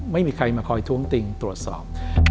ไม่มีใครมาคอยท้วงติงตรวจสอบ